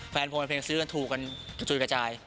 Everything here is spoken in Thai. แฟนผมในเพลงซื้อกันถูกกันจุดกระจาย